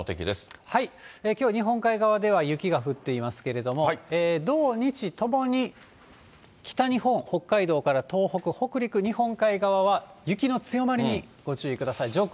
きょうは日本海側では雪が降っていますけれども、土、日ともに、北日本、北海道から東北、北陸日本海側は、雪の強まりにご注意ください。